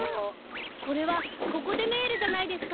これはココ・デ・メールじゃないですか。